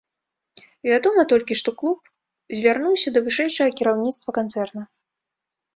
Вядома толькі, што клуб звярнуўся да вышэйшага кіраўніцтва канцэрна.